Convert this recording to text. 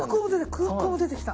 空港も出てきた。